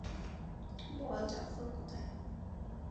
বল জাফর কোথায়?